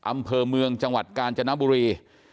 อำเภอเมืองจังหวัดกาญจนบุรี